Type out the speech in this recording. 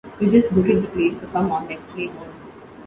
You just booted the play, so come on, let's play ball.